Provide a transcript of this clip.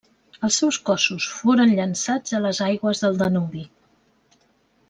Els seus cossos foren llençats a les aigües del Danubi.